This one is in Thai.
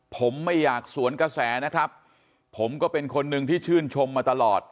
ผมไม่อยากสวนกระแสนะครับผมก็เป็นคนหนึ่งที่ชื่นชมมาตลอด